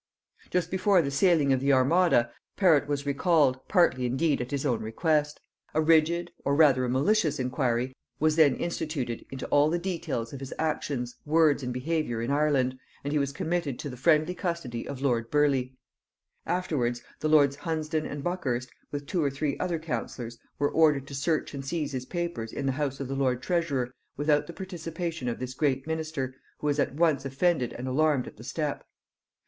Just before the sailing of the armada, Perrot was recalled, partly indeed at his own request. A rigid or rather a malicious inquiry was then instituted into all the details of his actions, words and behaviour in Ireland, and he was committed to the friendly custody of lord Burleigh. Afterwards, the lords Hunsdon and Buckhurst, with two or three other councillors, were ordered to search and seize his papers in the house of the lord treasurer without the participation of this great minister, who was at once offended and alarmed at the step.